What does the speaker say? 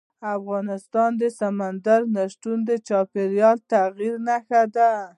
افغانستان کې سمندر نه شتون د چاپېریال د تغیر نښه ده.